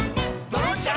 「ドロンチャ！